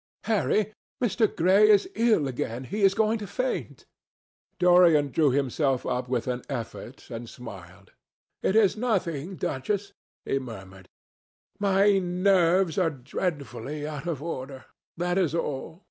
Harry, Mr. Gray is ill again. He is going to faint." Dorian drew himself up with an effort and smiled. "It is nothing, Duchess," he murmured; "my nerves are dreadfully out of order. That is all.